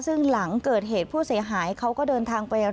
ซึ่งหลังเกิดเหตุผู้เสียหายเขาก็เดินทางไป